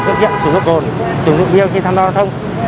cơ kiện sử dụng gồm sử dụng gồm điêu khi tham gia thông